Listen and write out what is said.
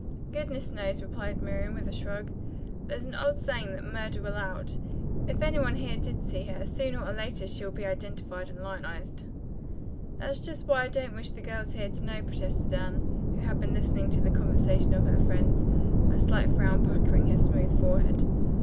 "Goodness knows," replied Miriam, with a shrug. "There's an old saying that 'murder will out.' If any one here did see her, sooner or later she'll be identified and lionized." "That's just why I don't wish the girls here to know," protested Anne, who had been listening to the conversation of her friends, a slight frown puckering her smooth forehead.